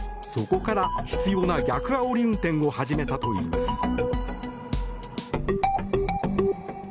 そこから執ような逆あおり運転を始めたといいます。